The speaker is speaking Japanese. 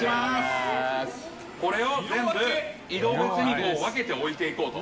これを全部色別に分けて置いていこうと。